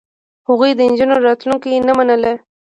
هغوی د نجونو راتلونکې نه منله.